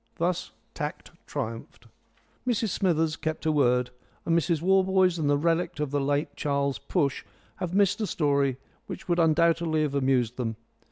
Thus tact triumphed. Mrs Smithers kept her word, and Mrs Warboys and the relict of the late Charles Push have missed a story which would undoubtedly have amused them.